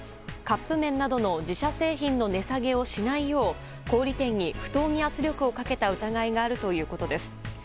カップ麺などの自社製品の値下げをしないよう小売店に不当に圧力をかけた疑いがあるということです。